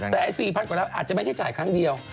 แต่๔๐๐กว่าล้านอาจจะไม่ใช่จ่ายครั้งเดียว